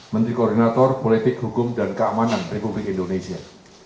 dua ribu tujuh belas menteri koordinator politik hukum dan keamanan republik indonesia